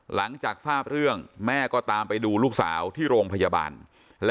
หลังจากทราบเรื่องแม่ก็ตามไปดูลูกสาวที่โรงพยาบาล